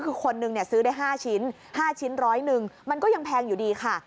คือคนนึงซื้อได้๕ชิ้น๕ชิ้นร้อยหนึ่งมันก็ยังแพงอยู่ดีค่ะ